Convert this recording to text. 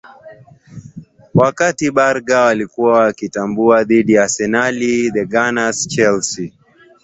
wakati braga watakuwa na kibarua dhidi ya arsenal the gunners chelsea